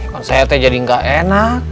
kan saya jadi gak enak